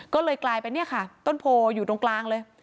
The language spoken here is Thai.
ก็เลยกลายเป็นเนี่ยค่ะต้นโพอยู่ตรงกลางเลย